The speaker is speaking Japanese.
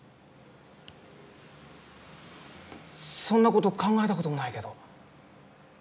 そんなこと考えたこともないけど。